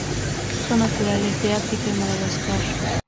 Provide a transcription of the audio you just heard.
Son naturales de África y Madagascar.